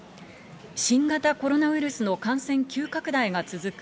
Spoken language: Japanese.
新型コロナウイルスの感染急拡大が続く